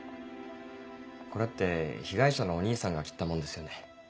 これって被害者のお兄さんが切ったものですよね。